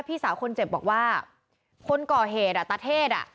พี่สาวคนเจ็บบอกว่าคนก่อเหตุอ่ะตาเทศอ่ะ